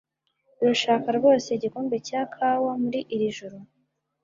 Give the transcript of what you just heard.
Urashaka rwose igikombe cya kawa muri iri joro